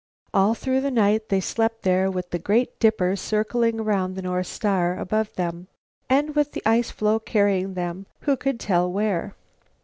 All through the night they slept there with the Great Dipper circling around the North Star above them, and with the ice floe carrying them, who could tell where?